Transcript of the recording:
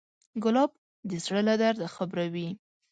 ګلاب د زړه له درده خبروي.